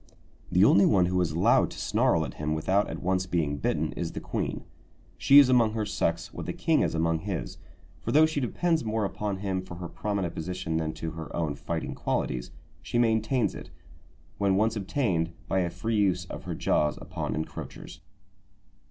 The only one who is allowed to snarl at him without at once being bitten is the queen. She is among her sex what the king is among his; for though she depends more upon him for her prominent position than to her own fighting qualities, she maintains it, when once obtained, by a free use of her jaws upon encroachers.